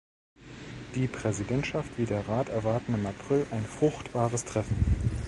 Die Präsidentschaft wie der Rat erwarten im April ein fruchtbares Treffen.